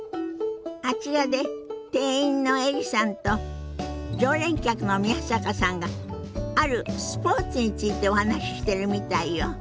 あちらで店員のエリさんと常連客の宮坂さんがあるスポーツについてお話ししてるみたいよ。